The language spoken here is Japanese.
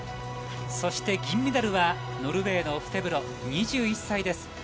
そして、銀メダルはノルウェーのオフテブロ、２１歳です。